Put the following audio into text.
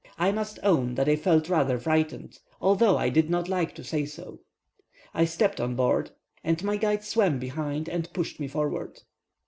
I must own that I felt rather frightened, although I did not like to say so. I stept on board, and my guide swam behind and pushed me forward.